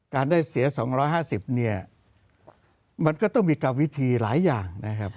การได้เสีย๒๕๐มันก็ต้องมีการวิธีที่มีกล้ามวิธีหลายอย่างนะครับ